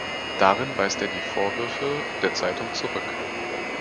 Darin weist er die Vorwürfe der Zeitung zurück.